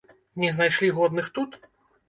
Не знайшлі годных тут?